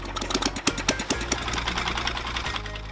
membawa buku buku bacaan bagi masyarakat pesisir di selat makassar